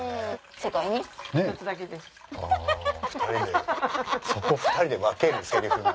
そこ２人で分けるセリフなんですね。